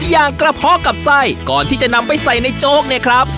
อย่างกระเพาะกับไส้ก่อนที่จะนำไปใส่ในโจ๊กเนี่ยครับ